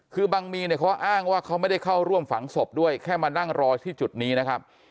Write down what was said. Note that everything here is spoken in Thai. คือบังมีเนี่ยเขาอ้างว่าเขาไม่ได้เข้าร่วมฝังศพด้วยแค่มานั่งรอที่จุดนี้นะครับ